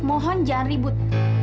mohon jangan ribut